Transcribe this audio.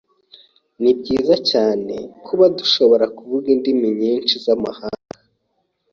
Nibyiza cyane kuba dushobora kuvuga indimi nyinshi zamahanga.